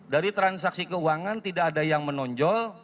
dari transaksi keuangan tidak ada yang menonjol